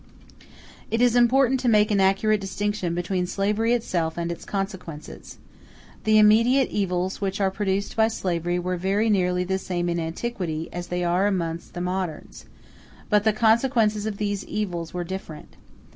It is important to make an accurate distinction between slavery itself and its consequences. The immediate evils which are produced by slavery were very nearly the same in antiquity as they are amongst the moderns; but the consequences of these evils were different.